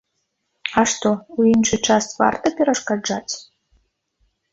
А што, у іншы час варта перашкаджаць?